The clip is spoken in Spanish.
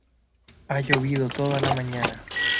Ha llovido toda la mañana.